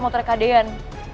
motornya ke deyan